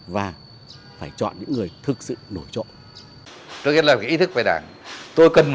và phải chọn những người thực sự nổi trộn